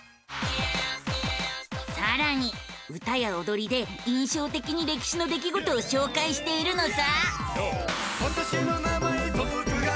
さらに歌やおどりで印象的に歴史の出来事を紹介しているのさ！